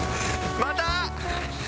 また。